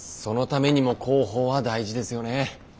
そのためにも広報は大事ですよね。